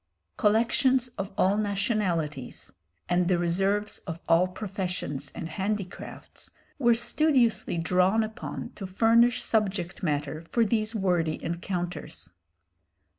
Collections of all nationalities, and the reserves of all professions and handicrafts, were studiously drawn upon to furnish subject matter for these wordy encounters.